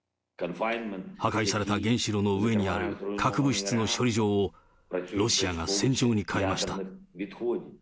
破壊された原子炉の上にある核物質の処理場を、ロシアが戦場に変えました。